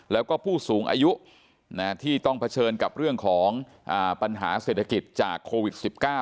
แล้วก็ผู้สูงอายุที่ต้องเผชิญกับเรื่องของปัญหาเศรษฐกิจจากโควิด๑๙